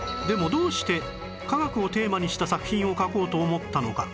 どうして科学をテーマにした作品を描こうと思ったのか？